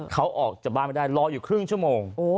เขาออกจากบ้านไม่ได้รออยู่ครึ่งชั่วโมง